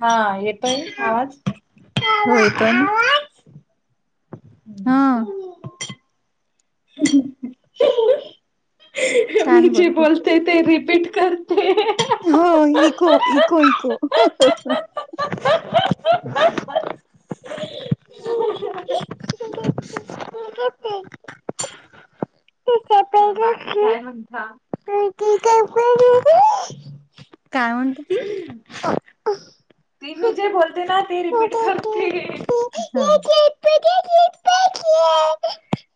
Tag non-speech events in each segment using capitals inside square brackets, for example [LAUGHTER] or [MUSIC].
हां येतोय आवाज? हो येतोय ना. हां मी छान जे बोलते. बोल ते ते रिपीट करते. हो इको. इको, इको [UNINTELLIGIBLE] हां [INAUDIBLE] काय म्हणते ती मी जे जे बोलते ना ते रिपीट करते. हो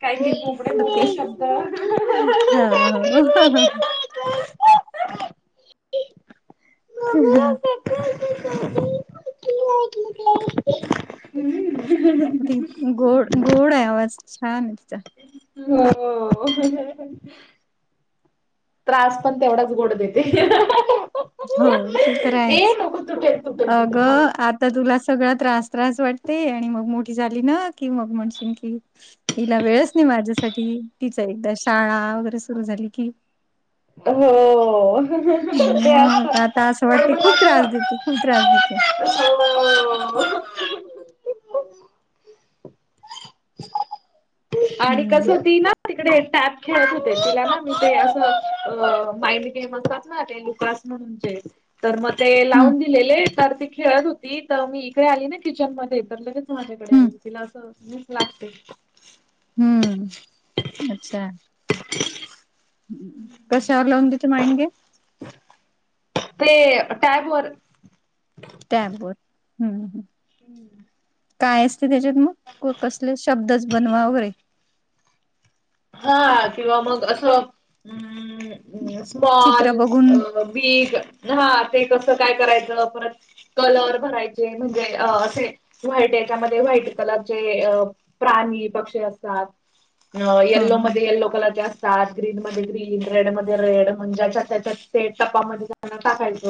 काय काय रिपीट बोबडे करते बोबडे हो हो शब्द हो [INAUDIBLE] गोड गोड आहे आवाज छान तिचा. हो त्रास पण तेवढाच गोड देते. हो ते तर ए आहेच. नको तुटेल तुटेल अग तुटेल हा. आ तर तुला सगळा त्रास त्रास वाटते आणि मग मोठी झाली ना कि मग म्हणशील की हिला वेळच नाही माझ्यासाठी तिच एकदा शाळा वगैरे सुरु झाली की. हो मग आता असं ते वाटते खूप त्रास देते खूप त्रास [UNINTELLIGIBLE] देते हो आणि कस हम्म ती ना तिकडे टॅप खेळत होते तिला ना मी ते अस माइंड गेम असतात ना ते लुकास म्हणून चेस तर मग ते हम्म लावून दिलेले, तर ती खेळत होती तर मी इकडे आली ना किचन मध्ये तर लगेच माझ्याकडे. हम्म तिला अस भूक लागते. हम्म अच्छा [INAUDIBLE] कशावर लावून देते माईंड गेम? ते टॅब वर. टॅब वर हम्म हम्म काय असत त्याच्यात मग कसले शब्दच बनवा होय. हां किंवा मग अस अ स्मॉल, चित्र बघून बिग हा ते कस काय करायच परत कलर भरायचे म्हणजे असे व्हाईट याच्यामध्ये व्हाईट कलरचे अ प्राणी, पक्षी असतात. हा हा येल्लोमध्ये यल्लो कलरचे असतात ग्रीन मध्ये ग्रीन रेड मध्ये रेड म्हण ज्याच्यात त्याच्यात ते टपामध्ये त्यांना टाकायच.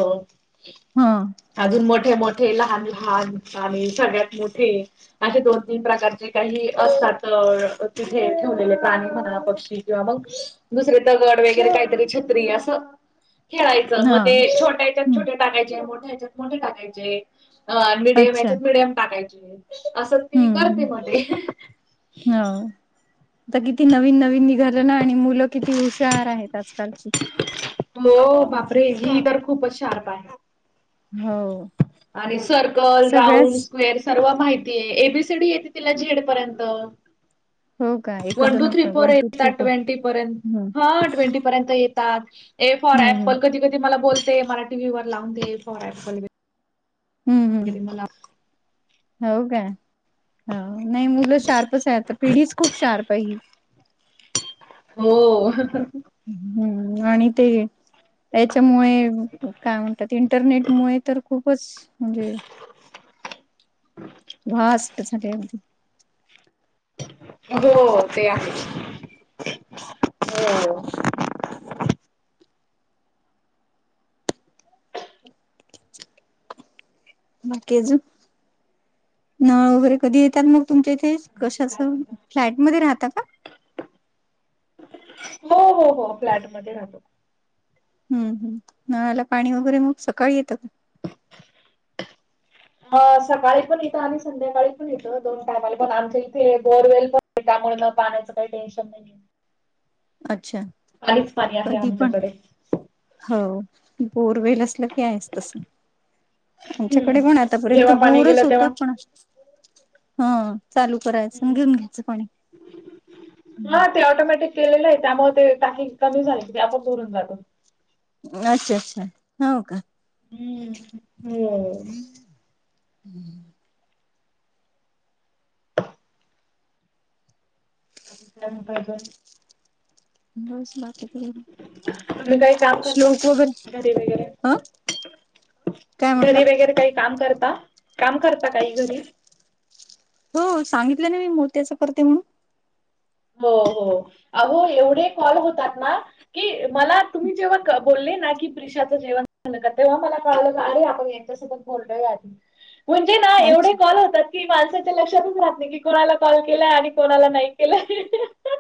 हं आजून मोठे मोठे लहान लहान आणि सगळ्यात मोठे असे दोन तीन प्रकारचे काही असतात तिथेे [UNINTELLIGIBLE] प्राणी म्हणा पक्षी किंवा मग दुसरे दगड वगैरे काहीतरी छत्री अस. खेळायच हा मग ते छोट्या ह्याच्यात हम्म छोटे टाकायचे मोठ्या ह्याच्यात मोठे टाकायचे. अ मिडियम अच्छा याच्यात मिडियम टाकायचे. अस ती हम्म करते हम्म मध्ये हो आता किती नवीन नवीन निघाल ना आणि मुल किती हुशार आहेत आजकालची हो बापरे ही तर खूपच शार्प आहे. हो. आणि सर्कल, सगळ्याच राऊंड, स्क्वेअर सर्व माहितीये एबीसीडी येते तिला झेड पर्यंत. हो का एक वन दोन two three four one two three येतात फोर ट्वेंटी पर्यंत. हम्म हा ट्वेंटी येतात फॉर हम्म हम्म अप्पल कधी कधी मला बोलते मला वीवर लावून दे फॉरल हम्म कधी हम्म मला हो काय नाही मुल शार्पच आहे आता, पिढीच खूप शार्प आहे. हो. हम्म आणि ते याच्यामुळे काय म्हणतात इंटरनेट मुळे तर खूपच म्हणजे फास्ट झालीये. हो ते आहे. हो बाकी अजून नळ वगैरे कधी येतात मग तुमच्या इथे कशाच काय म्हणता फ्लॅटमध्ये राहता का? हो हो हो फ्लॅटमध्ये राहतो. हम्म नळाला पाणी वगैरे मग सकाळी येत का? मग सकाळी पण येत आणि संध्याकाळी पण येत दोन टायमाला पण आमच्या इथे बोरवेल पण त्यामुळे मग पाण्याच काही टेन्शन नाही. का अच्छा आधीच पाणी आहे कधी पण आमच्याकडे. हो बोरवेल असल की आहेच तस हम्म आमच्याकडे पण आतापर्यंत जेव्हा पाणी गेलं बोरच होत. तेव्हा पण हा चालू करायच मग हम्म घेऊन घ्यायच पाणी. हा ते ऑटोमॅटिक केलेले आहे त्यामुळे ते टाकी कमी झाली की ते आपोआप भरून जात. अच्छा अच्छा हो का. हम्म हम्म हम्म. [INAUDIBLE] नंतर कर. बस बाकी काही नाही तुम्ही काही काम करता श्लोक वगैरे घरी वगैरे. ह काय म्हटलं घरी वगैरे काही काम करता काम करता काही घरी? हो सांगितल ना मी मोत्याच करते म्हणून. हो हो अहो एवढे कॉल होतात ना. की मला तुम्ही जेव्हा बोलले ना की दिशाच जेवण झाल का? तेव्हा मला कळाल का अरे आपण यांच्यासोबत बोललोय या आधी. म्हणजे ना एवढे अच्छा कॉल होतात. की माणसाच्या लक्षातच राहत नाही की कोणाला कॉल केलाय आणि कोणाला नाही केलाय.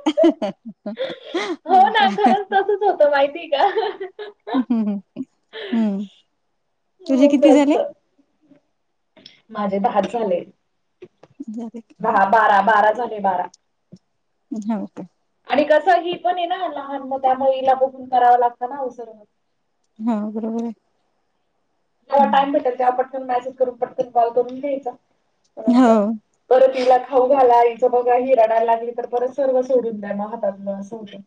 हो का. कस होत माहिती का. हम्म तुझे किती असं झाले? असतं. माझे दहाच झाले. झाले का? दहा बारा बारा झाले बारा. हो का? आणि कस ही पण आहे ना लहान मग त्यामुळेला बघून कराव लागत ना अवसर हां बरोबर आहे जेव्हा हम्म. टाइम भेटेल तेव्हा पटन मेसेज करून पटन कॉल करून घ्यायचा. हो [UNINTELLIGIBLE] परत तिला खाऊ घाला इच बघा हिच राडयला लागली तर परत सर्व सोडून द्या मग हातातल. अस होत.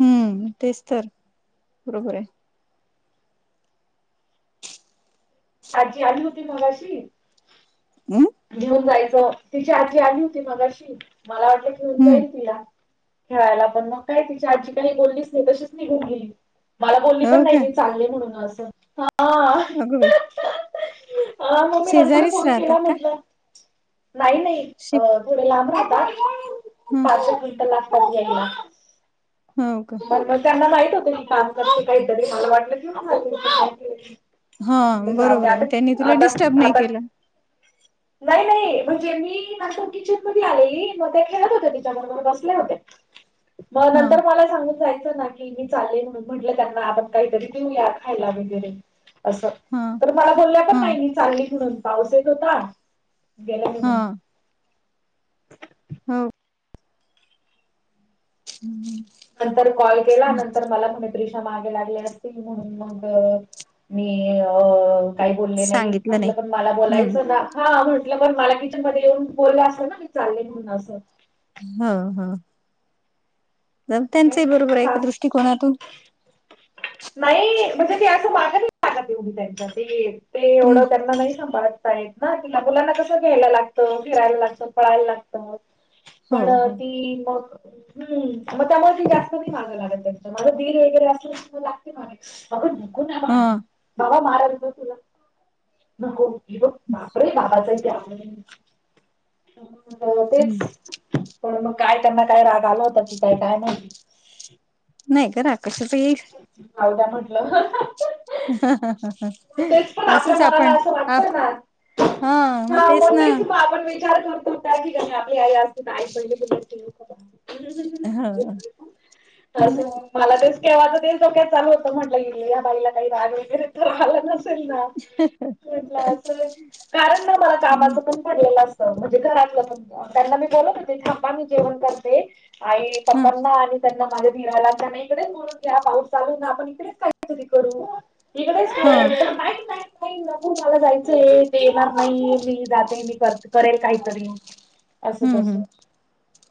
हम्म तेच तर बरोबर आहे. आजी आली होती मगाशी हम् घेऊन जायच. तिची आजी आली होती मागाशी मला वाटलं घेऊन हम्म जाईल तिला. खेळायला पण मग काय तिची आजी काही बोललीच नाही तशीच मी नीघून गेली मला बोलली पण हो नाही का मी चांगले म्हणून असलं आ अगं बई हा मग मी नंतर फोन राहतात केला का म्हटलं नाही नाही शे अ थोडे लांब राहतात ह पाचशे क्विंटल लागतात घ्यायला हो का मग त्यांना माहीत होतं की काम करते काहीतरी मला वाटलं की घेऊन जातील ते काहीतरी हा म्हणलं जाऊ बरोबर द्या आता आहे त्यांनी तुला आता डिस्टर्ब नाही आता केलं नाही नाही म्हणजे मी नंतर किचन मध्ये आलेली मग ते खेळत होते तिच्याबरोबर बसल्या होत्या मग हा नंतर मला सांगून जायचं ना की मी चालेल म्हटलं त्यांना आपण काहीतरी देऊया खायला वगैरे असं हा तर मला बोलल्या पण हा नाही मी चालली म्हणून पाऊस येत होता गेल्या हा म्हणून हम हम् हम नंतर कॉल केला नंतर मला म्हणे ञिशा मागे लागली असतील म्हणून मग मी अ काही बोलले नाही म्हटलं पण मला हम्म बोलायचं ना हा म्हटलं पण मला किचन मध्ये येऊन बोल असं ना मी चालले म्हणून असं हा हा त्यांचही बरोबर आहे एक सास दृष्टिकोनातून नाही म्हणजे ते असं मागत नाही एवढी त्याच्यात ते ते हम्म एवढं त्यांना नाही सांभळत शाळेत ना कि मुलांना कसं घ्यायला लागतं फिरायला लागत पळायला लागतं हो पण हो ती मग हम मग त्यामुळे ते जास्त नाही मागं लागत त्यांच्या माझं दीर वगैरे अस लागते मग लागते मागे अग नको ना हा बाळा बाबा मारत ना तुला नको ही बघ बापरे बाबाचा इ ते आणून तेच पण मग काय त्यांना काय राग आला होता की काय काय माहीती नाही ग राग कसाचां येईल जाऊ द्या म्हटलं ह ह ह ह तेच पण आपल्या मनाला असं वाटतं ना हा मग तेच मग आपण विचार करतो आपली आई पण असते तर आई पडले हा हा असं मला तेच केव्हाचं ते डोक्यात चालू होतं म्हटलं या बाईला काही राग वगैरे तर आला नाही तरी ना म्हटलं अस कारण ना मला कामाच पण पडलेलं असत म्हणजे घरातलं पण त्यांना मी बोलत होते थांबा मी जेवण करते आई पप्पांना आणि त्यांना माझ्या दिराला का नाही इकडेच बोलवुन घ्या पाऊस चालून ना आपण इकडेच काही तरी करू इकडेच हा नाही नाही नको मला जायचंय ते येणार नाही मी जाते ते मी कर करेल काहीतरी असं तसं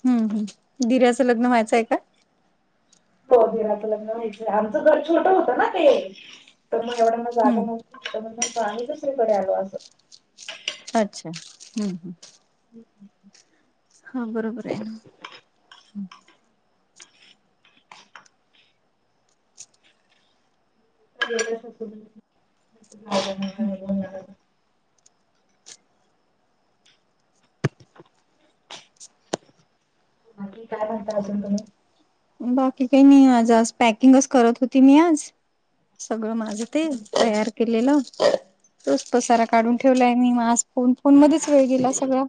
हम् हम् दिराचं लग्न व्हायचंय का हो दिराचं तर लग्न व्हाचंय आमचं घर छोटं होतं ना ते तर मग एवढ्यांना जागा हम्म न्हवती तर आम्ही दुसरीकडे आलो असं अच्छा हम्म हम् हम् हा बरोबर आहे ना [UNINTELLIGIBLE] बाकी काय म्हणता अजून तुम्ही बाकी काही नाही आज आज पॅकिंगच करत होती मी आज सगळ माझं ते तयार केलेलं तोच पसारा काढून ठेवलाय मी आज फोन फोन मध्येच वेळ गेला सगळा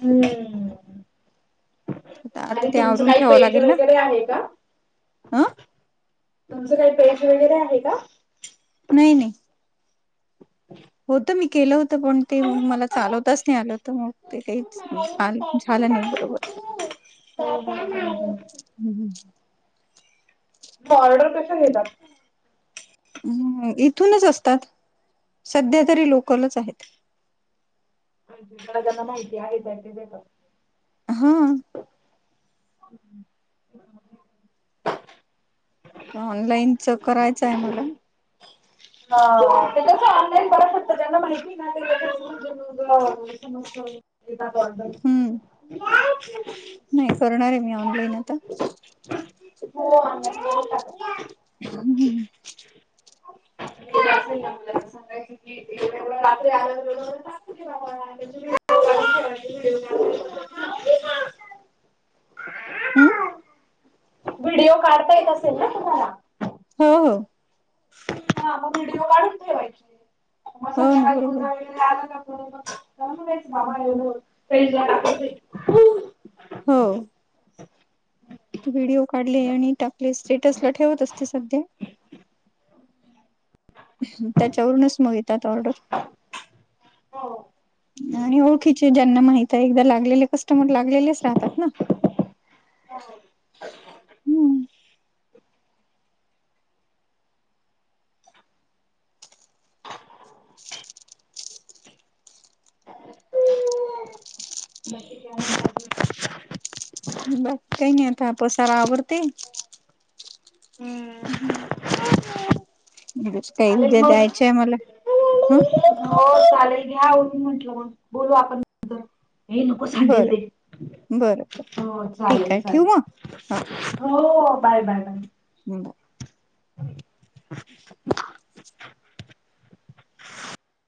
हम्म आता आणि ते तुमचं आवरून काही ठेवावं पेज लागेल ना वगैरे आहे का ह तुमचं काही पेज वगैरे आहे का नाही नाही होत मी केलं होतं पण ते मग मला चालवताच नाही आलं होत मग ते काहीच पा नी झाला नाही बरोबर हम्म हम्म. हो तु ऑर्डर कशा घेतात ह इथूनच असतात सध्या तरी लोकलच आहेत अजित दादांना माहिती आहेेत त्यांचे देतात हा हम् ऑनलाईनच करायचं आहे मला हा त्याच ऑनलाईन बघु शकत ज्यांना माहिती ना ते लोकं त्याच्या मागचं पिठाचं आॉडऀर हम्म. नाही करणार आहे मी ऑनलाईन आता हो ऑनलाइन वरचं टाकायचं हम्म काही असेल ना मला सांगायचं की बाकी आल सोडून [INAUDIBLE] हो व्हिडिओ काढता येत असेल ना तुम्हाला हो हो मग व्हिडिओ काढून ठेवायचे मग हो ना सध्याकाळी पु बरोबर. ते आल का बरोबर करते बाबा एवढं एवढं पेजला कापून ठेवते हो व्हिडिओ काढले आणि आपले स्टेटसला ठेवत असते सध्या त्याच्यावरूनच मग येतात ऑर्डर आणि ओळखीचे ज्यांना माहित आहे एकदा लागलेले कस्टमर लागलेलेच राहतात ना हो हम्म बाकी काय म्हणतात मग बाकी काही नाही आता हा पसारा आवरते हम्म बरेच काही चालेल उद्या मग. द्यायचं आहे मला हं हो चालेल घ्या आवरून म्हंटलं मग बोलू आपण नंतर हे नको सांडेल बरं ते बरं बरं हो ठीक चालेल आहे ठेवू मग हा चालेल हो बाय बाय बाय हड [INAUDIBLE]